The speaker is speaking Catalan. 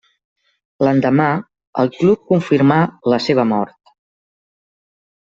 L'endemà el club confirmà la seva mort.